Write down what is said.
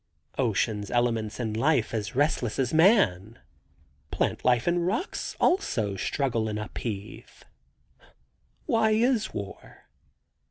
Ocean's elements and life as restless as man. Plant life and rocks, also, struggle and upheave. Why is war?